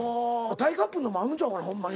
タイ・カッブのもあんのちゃうかなほんまに。